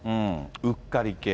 うっかり系？